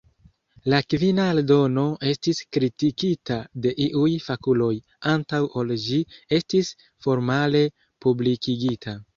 La kvina eldono estis kritikita de iuj fakuloj antaŭ ol ĝi estis formale publikigita.